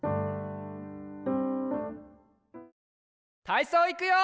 たいそういくよ！